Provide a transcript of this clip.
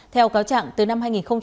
theo cáo trạng từ năm hai nghìn một mươi